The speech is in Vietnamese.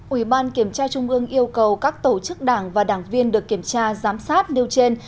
ủy ban kiểm tra trung ương yêu cầu các tổ chức đảng và đảng viên được kiểm tra giám sát nêu trên